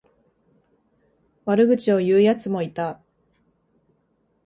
悪口を言うやつもいた。